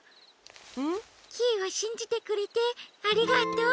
ん？キイをしんじてくれてありがとう。